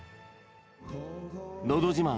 「のど自慢」